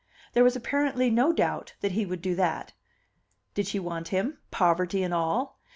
There was apparently no doubt that he would do that. Did she want him, poverty and all?